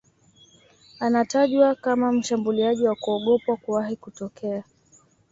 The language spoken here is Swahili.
Anatajwa kama mshambuliaji wa kuogopwa kuwahi kutokea